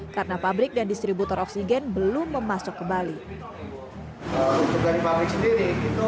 karena pabrik dan distributor oksigen belum memasuk ke bali dari pabrik sendiri itu